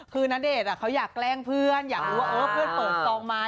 คือณเดชน์เขาอยากแกล้งเพื่อนอยากรู้ว่าเพื่อนเปิดซองมา